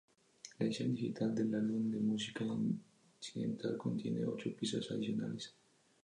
La edición digital del álbum de música incidental contiene ocho pistas adicionales.